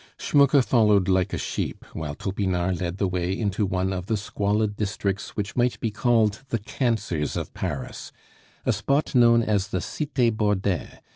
Schmucke followed like a sheep, while Topinard led the way into one of the squalid districts which might be called the cancers of Paris a spot known as the Cite Bordin.